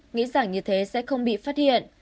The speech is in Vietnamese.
nghĩ rằng như thế sẽ không bị phát hiện